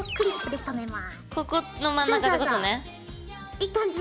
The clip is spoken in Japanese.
いい感じ。